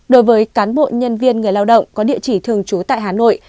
đối với cán bộ nhân viên người lao động có địa chỉ thường trú tại hà nội